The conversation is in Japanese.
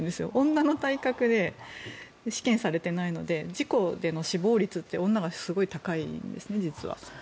女の体格で試験されていないので事故での死亡率って実は女が、すごい高いんですね。